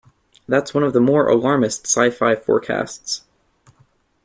That's one of the more alarmist sci-fi forecasts.